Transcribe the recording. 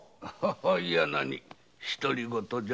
いや何ひとり言じゃ。